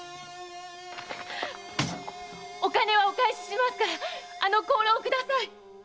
お金はお返ししますからあの香炉をください！